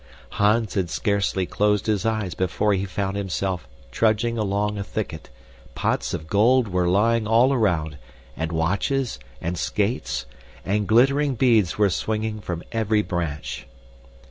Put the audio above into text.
Hans had scarcely closed his eyes before he found himself trudging along a thicket; pots of gold were lying all around, and watches and skates, and glittering beads were swinging from every branch.